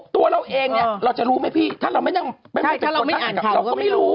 ตัวเราเองเนี่ยเราจะรู้ไหมพี่ถ้าเราไม่ได้อ่านเขาก็ไม่รู้